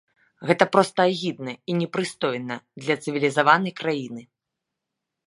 Гэта проста агідна і непрыстойна для цывілізаванай краіны!